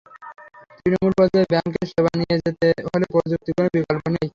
তৃণমূল পর্যায়ে ব্যাংকের সেবা নিয়ে যেতে হলে প্রযুক্তির কোনো বিকল্প নেই।